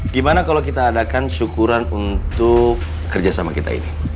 gimana kalau kita adakan syukuran untuk kerjasama kita ini